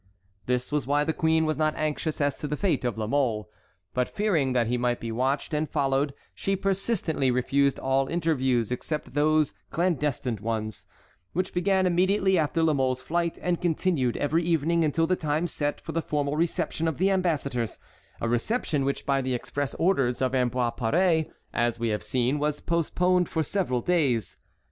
This was why the queen was not anxious as to the fate of La Mole. But fearing that he might be watched and followed she persistently refused all interviews except these clandestine ones, which began immediately after La Mole's flight and continued every evening until the time set for the formal reception of the ambassadors, a reception which by the express orders of Ambroise Paré, as we have seen, was postponed for several days.